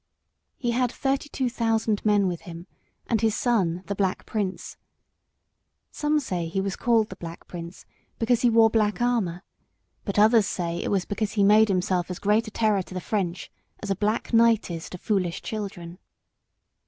He had thirty two thousand men with him, and his son, the Black Prince. Some say he was called the Black Prince because he wore black armour, but others say it was because he made himself as great a terror to the French as a black night is to foolish children.